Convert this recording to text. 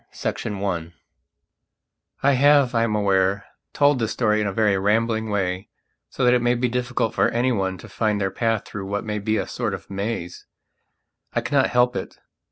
PART IV I I HAVE, I am aware, told this story in a very rambling way so that it may be difficult for anyone to find their path through what may be a sort of maze. I cannot help it.